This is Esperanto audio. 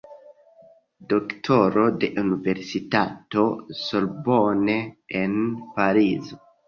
Doktoro de Universitato Sorbonne en Parizo.